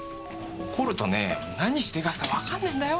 怒るとね何しでかすかわかんねぇんだよ